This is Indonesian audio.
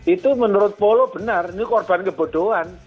itu menurut polo benar ini korban kebodohan